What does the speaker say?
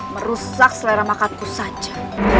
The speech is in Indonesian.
merusak selera makatku saja